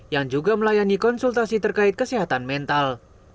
yang juga melayani konsultasi terkait kesehatan mental